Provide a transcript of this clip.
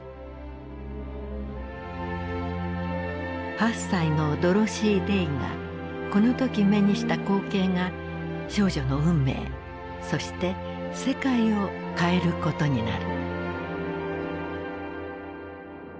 ８歳のドロシー・デイがこの時目にした光景が少女の運命そして世界を変えることになる。